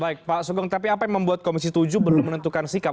baik pak sugeng tapi apa yang membuat komisi tujuh belum menentukan sikap